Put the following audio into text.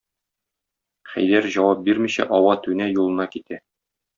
Хәйдәр җавап бирмичә ава-түнә юлына китә.